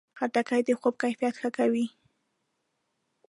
خټکی د خوب کیفیت ښه کوي.